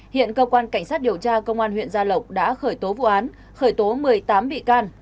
hiện cơ quan cảnh sát điều tra công an huyện gia lộc đã khởi tố vụ án khởi tố một mươi tám bị can